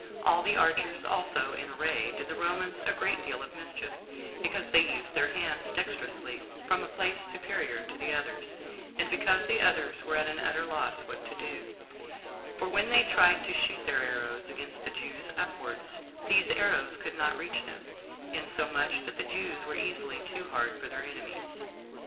All the archers also in array did the Romans a great deal of mischief, because they used their hands dexterously from a place superior to the others, and because the others were at an utter loss what to do; for when they tried to shoot their arrows against the Jews upwards, these arrows could not reach them, insomuch that the Jews were easily too hard for their enemies.